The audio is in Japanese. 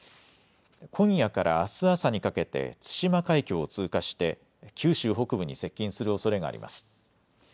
今夜からあす朝にかけて対馬海峡を通過して九州北部に接近するおそれがあります。